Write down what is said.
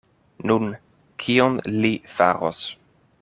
Nun, kion li faros?